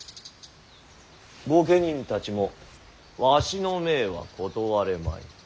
御家人たちもわしの命は断れまい。